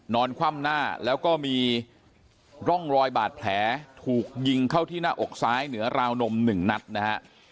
คว่ำหน้าแล้วก็มีร่องรอยบาดแผลถูกยิงเข้าที่หน้าอกซ้ายเหนือราวนม๑นัดนะฮะ